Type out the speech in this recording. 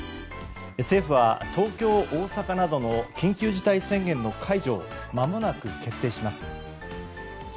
政府は東京、大阪などの緊急事態宣言の解除をまもなく決定します。